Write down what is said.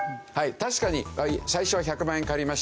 確かに最初は１００万円借りました。